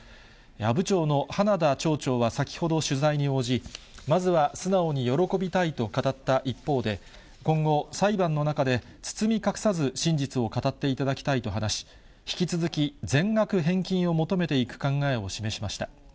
阿武町の花田町長は先ほど取材に応じ、まずは素直に喜びたいと語った一方で、今後、裁判の中で、包み隠さず真実を語っていただきたいと話し、引き続き全額返金を求めていく考えを示しました。